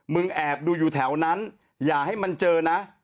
แอบดูอยู่แถวนั้นอย่าให้มันเจอนะ